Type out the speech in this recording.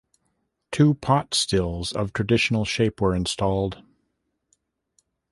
Two pot stills of traditional shape were installed.